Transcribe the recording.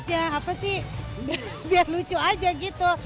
ya apa sih biar lucu aja gitu